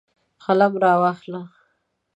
قلم راواخله.